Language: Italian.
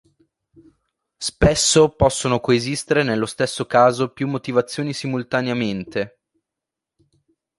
Spesso possono coesistere nello stesso caso più motivazioni simultaneamente.